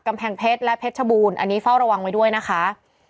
กำแพงเพชรและเพชรชบูรณ์อันนี้เฝ้าระวังไว้ด้วยนะคะ